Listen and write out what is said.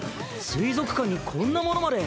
水族館にこんなものまで。